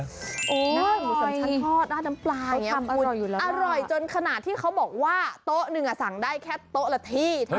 หน้าหมูสำชันทอดราดน้ำปลาเนี่ยภูตรอร่อยจนขนาดนึงอะสั่งได้แค่โต๊ะละที่เท่านั้น